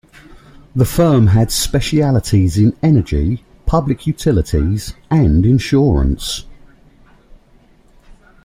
The firm had specialities in energy, public utilities, and insurance.